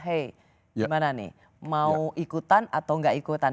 hei gimana nih mau ikutan atau nggak ikutan